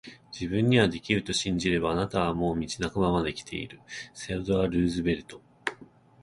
自分にはできると信じれば、あなたはもう道半ばまで来ている～セオドア・ルーズベルト～